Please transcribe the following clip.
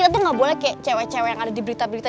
dadah oke gue cabut ya